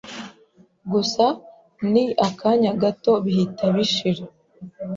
gusa ni akanya gato, bihita bishira.”